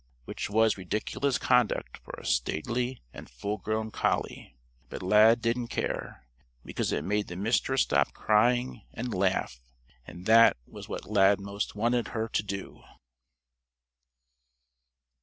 Which was ridiculous conduct for a stately and full grown collie. But Lad didn't care, because it made the Mistress stop crying and laugh. And that was what Lad most wanted her to do.